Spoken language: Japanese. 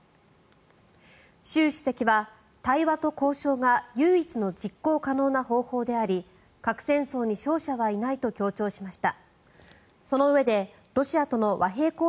習主席は対話と交渉が唯一の実行可能な方法であり核戦争に勝者はいないと強調しました。